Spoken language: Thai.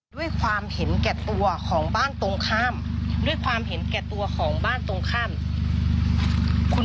ก็อาจจะเอาของคุณไปก็เลยเอาของคุณมาคืน